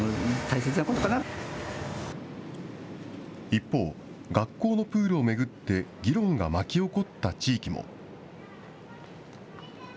一方、学校のプールを巡って議論が巻き起こった地域も。